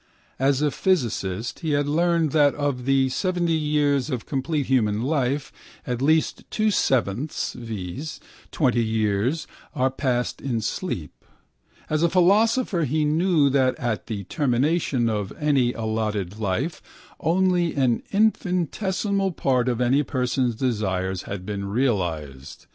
As a physicist he had learned that of the 70 years of complete human life at least 2/7, viz. 20 years are passed in sleep. As a philosopher he knew that at the termination of any allotted life only an infinitesimal part of any person's desires has been realised.